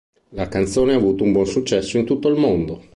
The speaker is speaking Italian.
La canzone ha avuto un buon successo in tutto il mondo.